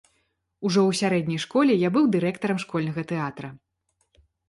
Ужо ў сярэдняй школе я быў дырэктарам школьнага тэатра.